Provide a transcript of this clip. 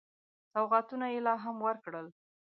سوغاتونه یې لا هم ورکړل.